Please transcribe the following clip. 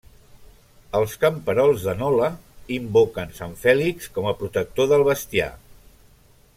Els camperols de Nola invoquen sant Fèlix com a protector del bestiar.